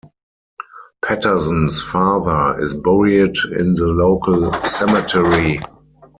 Paterson's father is buried in the local cemetery.